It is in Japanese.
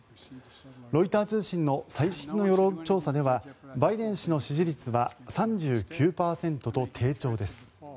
ロイター通信の最新の世論調査ではバイデン氏の支持率は３９％と低調です。